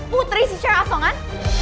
putri si syara asongan